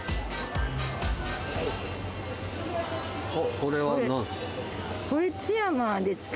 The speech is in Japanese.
これはなんですか？